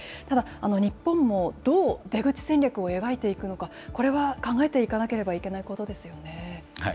ただ、日本もどう出口戦略を描いていくのか、これは考えていかなければいけないことですよね。